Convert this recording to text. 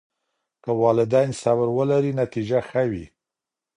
که والدین صبر ولري نتیجه ښه وي.